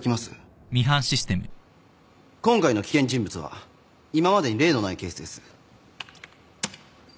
今回の危険人物は今までに例のないケースです。